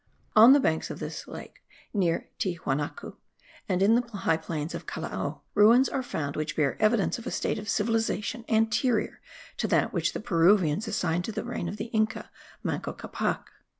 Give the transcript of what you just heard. On the banks of this lake, near Tiahuanacu, and in the high plains of Callao, ruins are found which bear evidence of a state of civilization anterior to that which the Peruvians assign to the reign of the Inca Manco Capac.